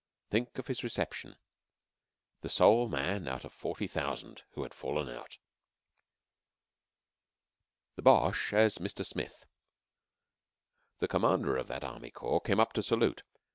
Think of his reception the sole man of 40,000 who had fallen out! THE BOCHE AS MR. SMITH The Commander of that Army Corps came up to salute.